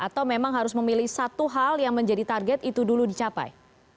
atau memang harus memilih satu hal yang menjadi target itu dulu dicapai